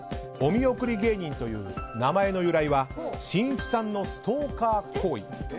「お見送り芸人」という名前の由来はしんいちさんのストーカー行為。